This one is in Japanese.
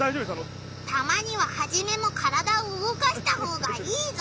たまにはハジメも体をうごかしたほうがいいぞ！